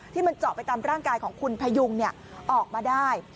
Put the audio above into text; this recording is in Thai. ที่มันเจาะไปตามร่างกายของคุณพยุงออกมาได้